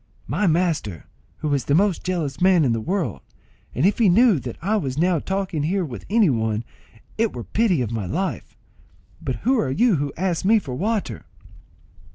"My master, who is the most jealous man in the world; and if he knew that I was now talking here with any one, it were pity of my life. But who are you who ask me for water?"